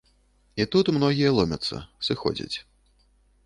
І тут многія ломяцца, сыходзяць.